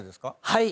はい。